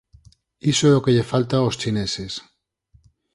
Iso é o que lle falta aos chineses.